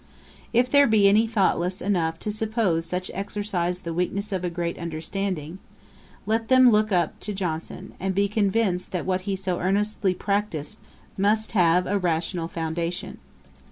If there be any thoughtless enough to suppose such exercise the weakness of a great understanding, let them look up to Johnson and be convinced that what he so earnestly practised must have a rational foundation.